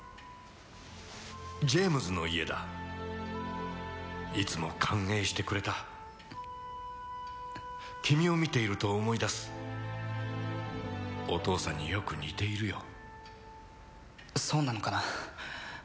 ジェームズの家だいつも歓迎してくれた君を見ていると思い出すお父さんによく似ているよそうなのかな？